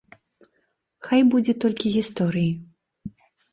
Хай будзе толькі гісторыі.